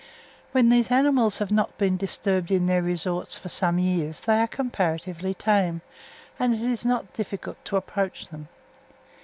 When these animals have not been disturbed in their resorts for some years they are comparatively tame, and it is not difficult to approach them.